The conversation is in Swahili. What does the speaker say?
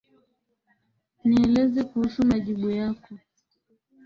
Nieleze kuhusu majibu yako